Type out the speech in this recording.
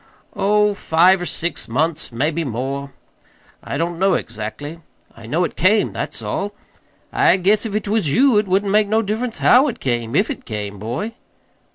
"Oh, five or six months maybe more. I don't know exactly. I know it came, that's all. I guess if 't was you it wouldn't make no difference HOW it came, if it came, boy."